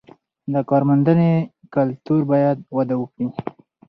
د کارموندنې کلتور باید وده وکړي.